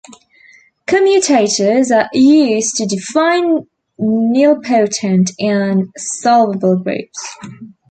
Commutators are used to define nilpotent and solvable groups.